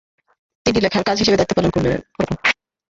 তিনি চেম্বার জাজ হিসেবে দায়িত্ব পালন করেছেন।